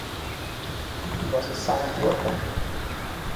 He was a son of worker.